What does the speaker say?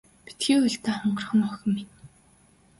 Битгий уйл даа хонгорхон охин минь.